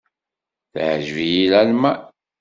Teɛǧeb-iyi Lalman.